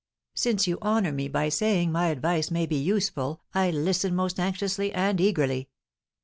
Since you honour me by saying my advice may be useful, I listen most anxiously and eagerly."